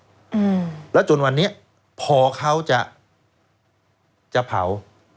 อืมแล้วจนวันนี้พอเขาจะจะเผา